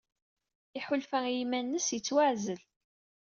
Iḥulfa i yiman-nnes yettwaɛzel.